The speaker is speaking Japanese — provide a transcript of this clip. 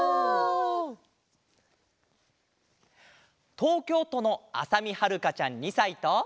とうきょうとのあさみはるかちゃん２さいと。